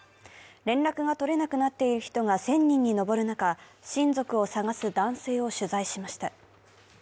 連絡が取れなくなっている人が１０００人に上る中、親族を探す男性を取材しました。